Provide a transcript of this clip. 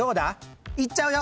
いっちゃうよ。